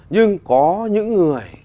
nhưng có những người